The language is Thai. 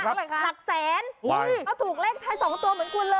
เขาถูกเลขท้าย๒ตัวเหมือนคุณเลย